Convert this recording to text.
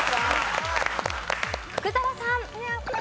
福澤さん。